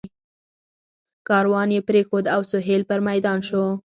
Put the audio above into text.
کاروان یې پرېښود او سهیل پر میدان شو.